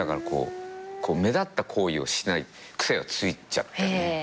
目立った行為をしない癖がついちゃってるね